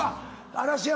嵐山